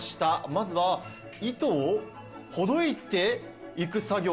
まずは糸をほどいて行く作業。